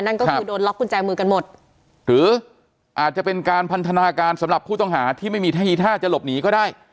นั่นก็คือโดนล็อกกุญแจมือกันหมดหรืออาจจะเป็นการพันธนาการสำหรับผู้ต้องหาที่ไม่มีท่าทีท่าจะหลบหนีก็ได้